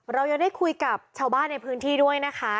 เรายังได้คุยกับชาวบ้านในพื้นที่ด้วยนะคะ